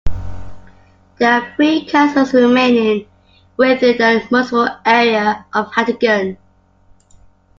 There are three castles remaining within the municipal area of Hattingen.